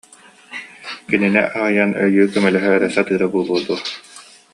Кинини аһынан өйүү, көмөлөһө эрэ сатыыра буолуо дуо